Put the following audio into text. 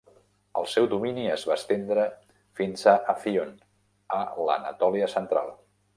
El seu domini es va estendre fins a Afyon, a l'Anatòlia central.